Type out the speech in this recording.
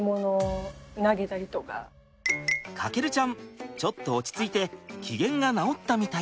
もう翔ちゃんちょっと落ち着いて機嫌が直ったみたい。